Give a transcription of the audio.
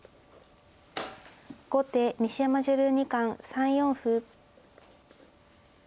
後手西山女流二冠３四歩。